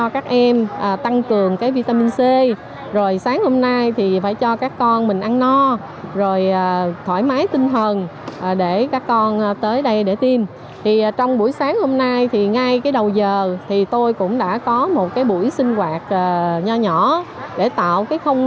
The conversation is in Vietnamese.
các em cũng được các trường chú trọng